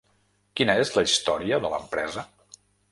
Quina és la història de l’empresa?